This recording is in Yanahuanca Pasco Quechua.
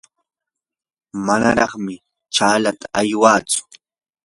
manaraqmi chaalata aywatsu.